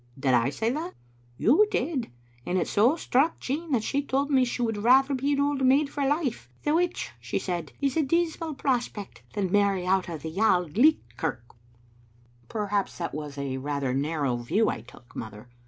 " Did I say that?" " You did, and it so struck Jean that she told me she would rather be an old maid for life, *the which,' she said, *is a dismal prospect,' than marry out of the Auld Licht kirk." Digitized by VjOOQIC Aargaret* lus "Perhaps that was a rather narrow view I took, mother.